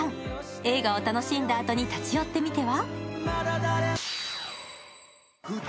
映画を楽しんだあとに立ち寄ってみては。